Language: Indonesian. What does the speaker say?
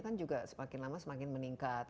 kan juga semakin lama semakin meningkat